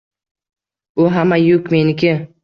Bu hamma yuk meniki.